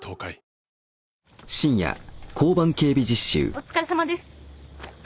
お疲れさまです。